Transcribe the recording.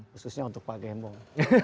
khususnya untuk pak gembong